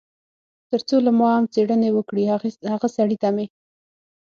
تر څو له ما هم څېړنې وکړي، هغه سړي ته مې.